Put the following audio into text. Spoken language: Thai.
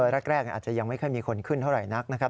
แรกอาจจะยังไม่ค่อยมีคนขึ้นเท่าไหร่นักนะครับ